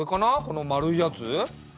この丸いやつ。